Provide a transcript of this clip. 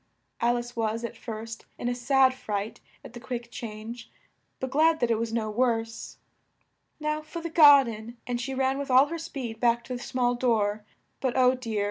Al ice was, at first, in a sad fright at the quick change, but glad that it was no worse. "Now for the gar den," and she ran with all her speed back to the small door; but, oh dear!